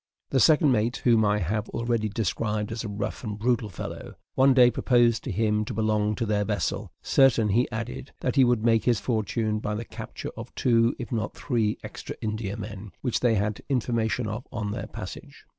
The second mate, whom I have already described as a rough and brutal fellow, one day proposed to him to belong to their vessel, certain, he added, that he would make his fortune by the capture of two, if not three, extra Indiamen, which they had information of on their passage.